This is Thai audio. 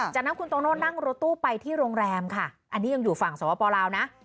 จากนั้นคุณโตโน่นั่งรถตู้ไปที่โรงแรมค่ะอันนี้ยังอยู่ฝั่งสวปลาวนะ